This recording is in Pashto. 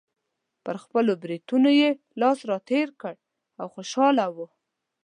پر خپلو برېتونو یې لاس راتېر کړ او خوشحاله و.